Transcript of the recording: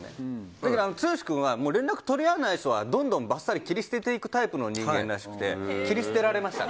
剛君は連絡取り合わない人はどんどんばっさり切り捨てていくタイプの人間なので切り捨てられました。